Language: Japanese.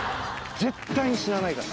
絶対に死なないから。